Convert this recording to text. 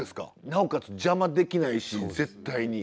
なおかつ邪魔できないし絶対に。